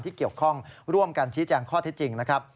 ที่เกี่ยวข้องร่วมกันชี้แจงข้อเท็จจริงนะครับ